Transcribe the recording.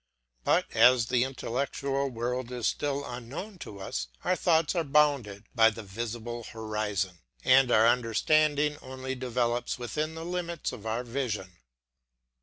But as the intellectual world is still unknown to us, our thoughts are bounded by the visible horizon, and our understanding only develops within the limits of our vision.